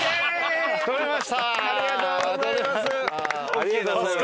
ありがとうございます！